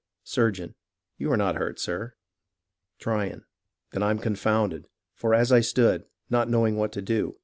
Surgeon You are not hurt, sir. Tryon Then I'm confounded ; For as I stood, not knowing what to do.